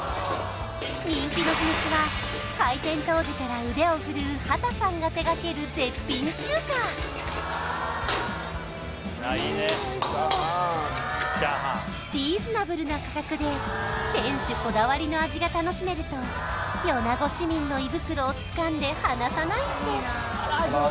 人気の秘密は開店当時から腕を振るう畠さんが手がける絶品中華リーズナブルな価格で店主こだわりの味が楽しめると米子市民の胃袋をつかんで離さないんです